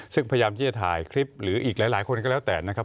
ซึ่งพยายามที่จะถ่ายคลิปหรืออีกหลายคนก็แล้วแต่นะครับ